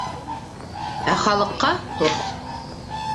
Ә халыҡҡа — тоҙ.